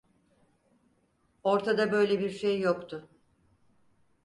Ortada böyle bir şey yoktu.